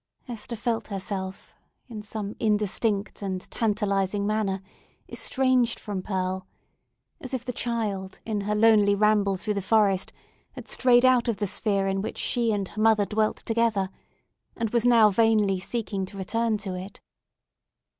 Hester felt herself, in some indistinct and tantalizing manner, estranged from Pearl, as if the child, in her lonely ramble through the forest, had strayed out of the sphere in which she and her mother dwelt together, and was now vainly seeking to return to it.